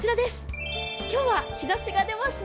今日は日ざしが出ますね。